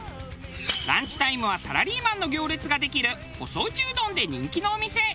ランチタイムはサラリーマンの行列ができる細打ちうどんで人気のお店。